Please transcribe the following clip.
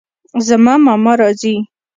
زما ماما راځي